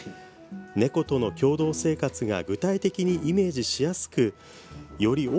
猫との共同生活が具体的にイメージしやすくより